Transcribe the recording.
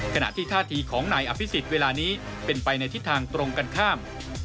ขณะที่ท่าทีของนายอภิษฎเวลานี้เป็นไปในทิศทางตรงกันข้าม